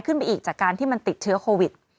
คุณผู้ชมขายังจริงท่านออกมาบอกว่า